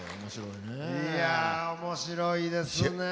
いや面白いですね。